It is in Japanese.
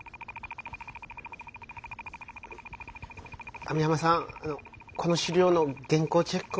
網浜さんこの資料の原稿チェックを。